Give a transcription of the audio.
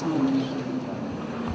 kebetulan tidak ada semua